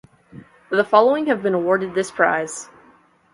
The following have been awarded this prize.